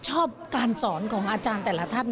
ชอบการสอนของอาจารย์แต่ละท่าน